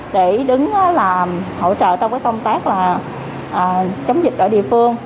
để đứng làm hỗ trợ trong công tác chống dịch ở địa phương